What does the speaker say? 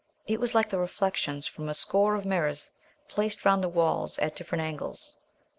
It was like the reflections from a score of mirrors placed round the walls at different angles.